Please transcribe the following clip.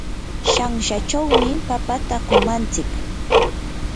shanshachawmi papata kuwantsik.